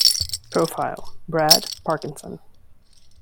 Profile: Brad Parkinson.